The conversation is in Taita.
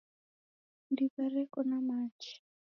Ndiwa reko na machi